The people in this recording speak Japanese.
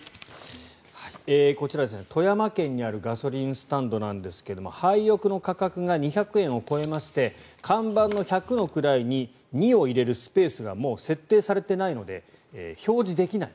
こちら、富山県にあるガソリンスタンドなんですがハイオクの価格が２００円を超えまして看板の１００の位に２を入れるスペースがもう設定されていないので表示できない。